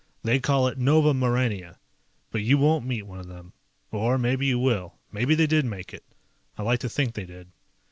They call it Nova Maurania. But you won't meet one of them. Or maybe you will, maybe they did make it. I like to think they did.